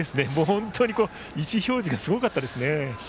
本当に意思表示がすごかったですね。